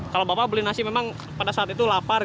kalau bapak beli nasi memang pada saat itu lapar